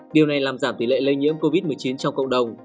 điều này làm giảm tỷ lệ lây nhiễm covid một mươi chín trong cộng đồng